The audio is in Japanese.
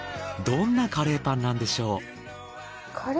どんなカレーパンなんでしょう？